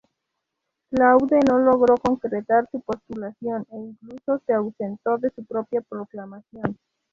Claude no logró concretar su postulación e incluso se ausentó de su propia proclamación.